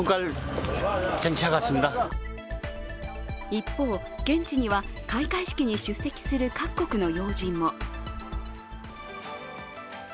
一方、現地には開会式に出席する各国の要人も。